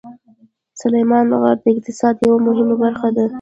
سلیمان غر د اقتصاد یوه مهمه برخه ده.